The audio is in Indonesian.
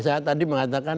saya tadi mengatakan